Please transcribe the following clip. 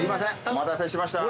お待たせしました。